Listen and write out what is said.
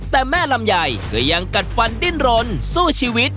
แต่แม่ลำไยก็ยังกัดฟันดิ้นรนสู้ชีวิต